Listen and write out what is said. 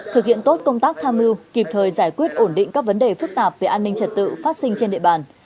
thực hiện tốt công tác tham mưu kịp thời giải quyết ổn định các vấn đề phức tạp về an ninh trật tự phát sinh trên địa bàn